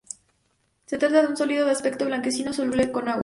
Se trata de un sólido de aspecto blanquecino soluble en agua.